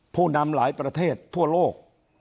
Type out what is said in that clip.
ผู้นำหลายประเทศทั่วโลก